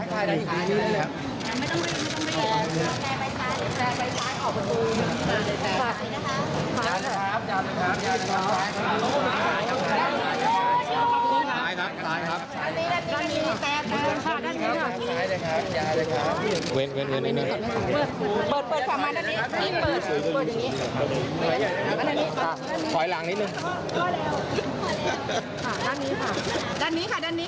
เปิดเปิดฝั่งมาด้านนี้ทรีมเปิดเปิดอย่างนี้